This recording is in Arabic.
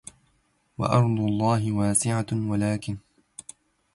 وَأَرضُ اللَهِ واسِعَةٌ وَلَكِن